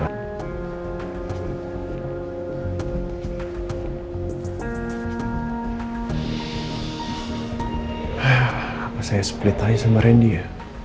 apa saya split aja sama randy ya